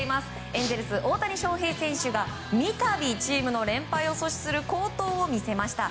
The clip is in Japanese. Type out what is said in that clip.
エンゼルス、大谷翔平選手が三度チームの連敗を阻止する好投を見せました。